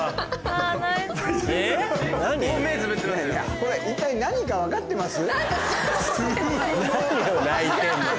これ一体何か分かってます？